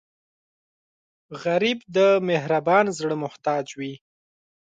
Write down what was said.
غریب د مهربان زړه محتاج وي